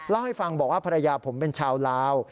เล่าให้ฟังบอกว่าภรรยาผมเป็นชาวลาว